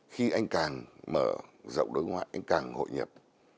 khi anh càng mở rộng đối ngoại anh càng hội nhập